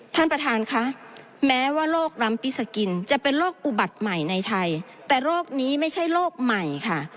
ท่านประธานค่ะแม้ว่าโรครำปิสกินจะเป็นโรคอุบัติใหม่ในไทยแต่โรคนี้ไม่ใช่โรคใหม่ค่ะ